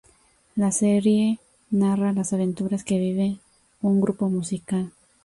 La serie narra las aventuras que vive un grupo musical.